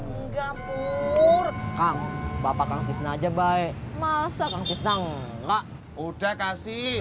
enggak pur kang bapak kang tisna aja baik masa kang tisna enggak udah kasih